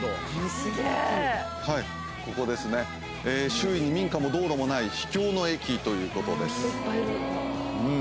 周囲に民家も道路もない秘境の駅ということです。